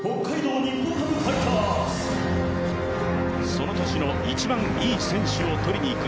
その年の、一番いい選手を取りにいく。